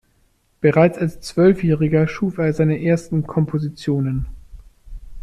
Bereits als Zwölfjähriger schuf er seine ersten Kompositionen.